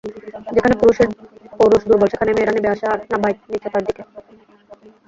যেখানে পুরুষের পৌরুষ দুর্বল সেখানেই মেয়েরা নেবে আসে আর নাবায় নীচতার দিকে।